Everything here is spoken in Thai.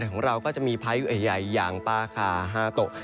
ของเราก็จะมีพายุใหญ่อย่างปาคาฮาโตะ